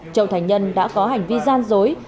châu thành nhân đã có hành vi gian dối